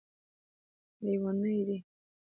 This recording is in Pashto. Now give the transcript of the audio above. لیوني دی